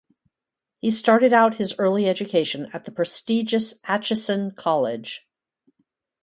He started out his early education at the prestigious Aitchison College.